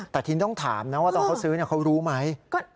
แต่ทีนี้ต้องถามนะว่าตอนเขาซื้อเขารู้ไหม